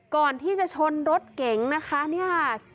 ก่อนที่จะชนรถเก่งนะคะ